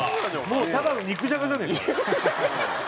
もうただの肉じゃがじゃねえか。